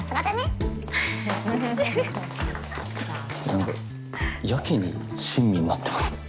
何かやけに親身になってますね。